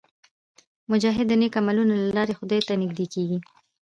مجاهد د نیک عملونو له لارې خدای ته نږدې کېږي.